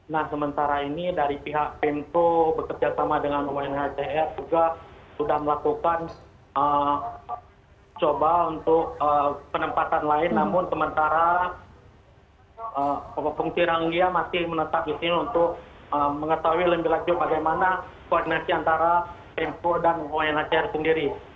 nah sementara ini dari pihak pempo bekerja sama dengan onhcr juga sudah melakukan coba untuk penempatan lain namun sementara pengungsi ranggia masih menetap di sini untuk mengetahui lebih lanjut bagaimana koordinasi antara pempo dan onhcr sendiri